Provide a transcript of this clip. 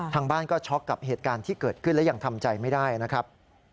ทางบ้านก็ช็อกกับเหตุการณ์ที่เกิดขึ้นและยังทำใจไม่ได้นะครับ